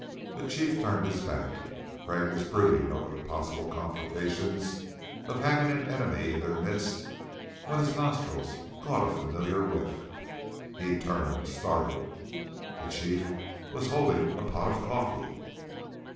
The Chief turned his back. Crag was brooding over the possible complications of having an enemy in their midst when his nostrils caught a familiar whiff. He turned, startled. The Chief was holding a pot of coffee.